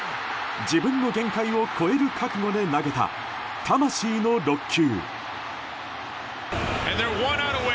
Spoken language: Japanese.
自分の限界を超える覚悟で投げた魂の６球。